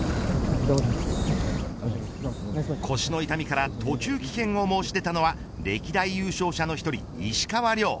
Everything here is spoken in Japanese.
腰の痛みから途中棄権を申し出たのは歴代優勝者の１人、石川遼。